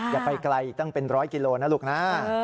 อย่าไปไกลตั้งเป็นร้อยกิโลนะลูกนะ